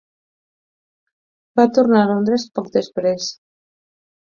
Va tornar a Londres poc després.